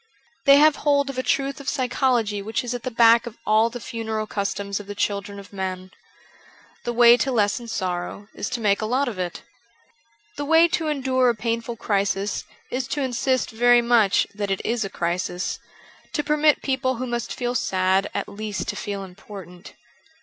They have hold of a truth of psychology which is at the back of all the funeral customs of the children of men. The way to lessen sorrow is to make a lot of it. The way to endure a painful crisis is to insist very much that it is a crisis ; to permit people who must feel sad at least to feel important.